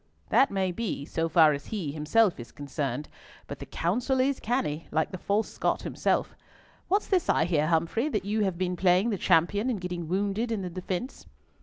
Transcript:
"That may be, so far as he himself is concerned, but the counsel is canny, like the false Scot himself. What's this I hear, Humfrey, that you have been playing the champion, and getting wounded in the defence?"